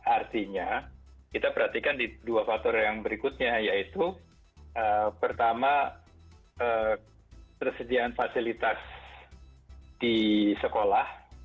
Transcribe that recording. artinya kita perhatikan di dua faktor yang berikutnya yaitu pertama tersediaan fasilitas di sekolah